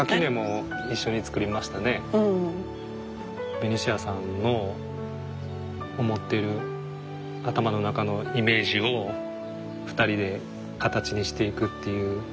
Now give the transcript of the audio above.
ベニシアさんの思ってる頭の中のイメージを２人で形にしていくっていう作業がすごい楽しくて。